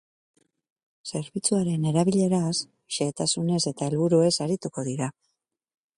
Zerbitzuaren erabileraz, xehetasunez eta helburuez arituko dira.